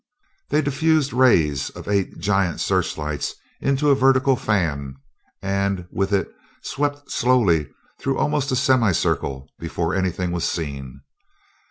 They diffused the rays of eight giant searchlights into a vertical fan, and with it swept slowly through almost a semi circle before anything was seen.